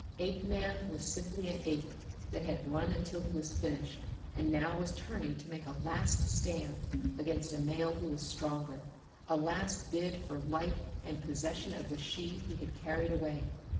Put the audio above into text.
Apeman was simply an ape that had run until he was finished, and now was turning to make a last stand against a male who was stronger a last bid for life and possession of the she he had carried away.